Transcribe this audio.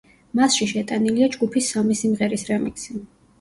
მასში შეტანილია ჯგუფის სამი სიმღერის რემიქსი.